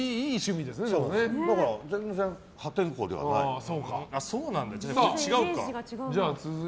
だから、全然破天荒じゃない。